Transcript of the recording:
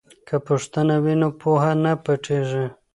که پوښتنه وي نو پوهه نه پټیږي.